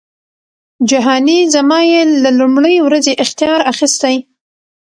جهانی زما یې له لومړۍ ورځی اختیار اخیستی